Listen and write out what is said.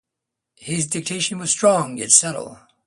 His diction was strong, yet subtle.